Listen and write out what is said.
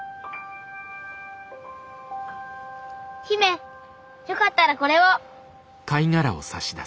姫よかったらこれを。